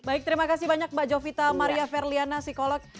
baik terima kasih banyak mbak jovita maria ferliana psikolog